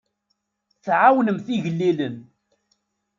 Tɛawnemt igellilen.